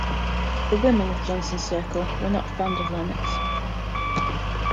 The women of Johnson's circle were not fond of Lennox.